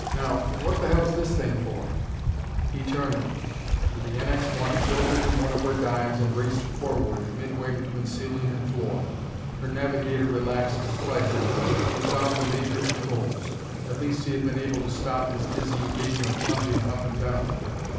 "Now, what the hell's this thing for?" He turned it, and the NX 1 tilted in one of her dives and raced forward, midway between ceiling and floor. Her navigator relaxed slightly. He had found the major controls; at least he had been able to stop his dizzy game of plunging up and down.